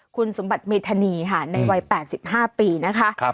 คุณสมบัติเมธานีค่ะในวัย๘๕ปีนะคะ